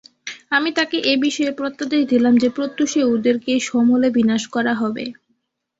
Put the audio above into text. আমি তাকে এ বিষয়ে প্রত্যাদেশ দিলাম যে, প্রত্যুষে ওদেরকে সমূলে বিনাশ করা হবে।